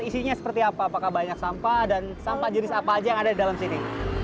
isinya seperti apa apakah banyak sampah dan sampah jenis apa aja yang ada di dalam sini